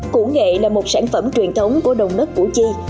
củ nghệ là một sản phẩm truyền thống của đồng đất củ chi